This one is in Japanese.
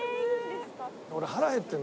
俺腹減ってるの。